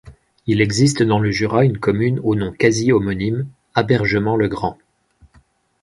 Il existe dans le Jura une commune au nom quasi-homonyme, Abergement-le-Grand.